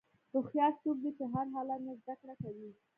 هوښیار څوک دی چې د هر حالت نه زدهکړه کوي.